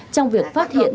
trong việc phát hiện